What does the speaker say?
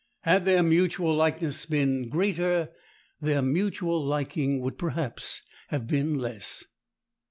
Had their mutual likeness been greater, their mutual liking would perhaps have been less.